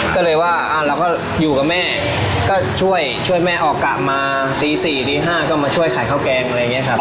ก็เลยว่าเราก็อยู่กับแม่ก็ช่วยช่วยแม่ออกกะมาตี๔ตี๕ก็มาช่วยขายข้าวแกงอะไรอย่างนี้ครับ